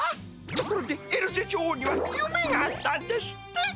ところでエルゼ女王にはゆめがあったんですって？